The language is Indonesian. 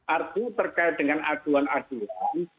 arti terkait dengan aduan aduan